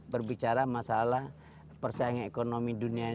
persaing ekonomi dunia